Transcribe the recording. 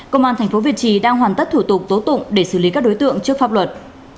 công an tp việt trì đang hoàn tất thủ tục tố tụng để xử lý các đối tượng trước pháp luật